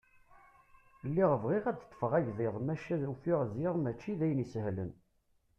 Lliɣ bɣiɣ ad ad d-ṭṭfeɣ agḍiḍ maca ufiɣ ziɣ mačči d ayen isehlen.